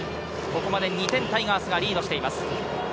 ここまで２点タイガースがリードしています。